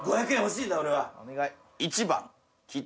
５００円欲しいんだ俺は。